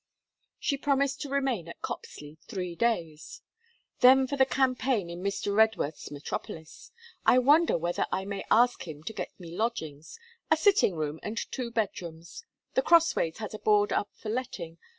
She promised to remain at Copsley three days. 'Then for the campaign in Mr. Redworth's metropolis. I wonder whether I may ask him to get me lodgings: a sitting room and two bedrooms. The Crossways has a board up for letting.